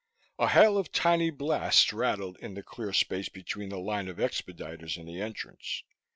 A hail of tiny blasts rattled in the clear space between the line of expediters and the entrance.